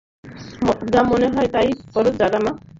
যা মনে চায় তাই করো রামা!